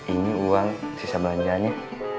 ini uang sisa belanjaannya